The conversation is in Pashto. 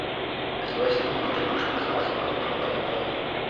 لوستې میندې د ماشوم لپاره سالم خواړه برابروي.